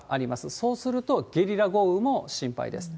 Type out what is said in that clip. そうするとゲリラ豪雨も心配です。